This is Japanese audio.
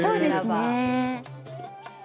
そうですね。